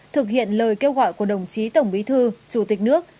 thực hiện lời kêu gọi của đồng chí tổng bí thư chủ tịch nước